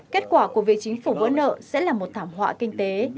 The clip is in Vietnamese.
kết quả của việc chính phủ vỡ nợ sẽ là một thảm họa kinh tế